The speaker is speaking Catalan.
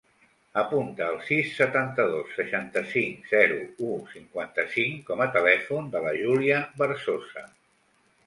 Apunta el sis, setanta-dos, seixanta-cinc, zero, u, cinquanta-cinc com a telèfon de la Júlia Berzosa.